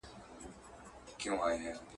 د غلامۍ له ختمېدو سره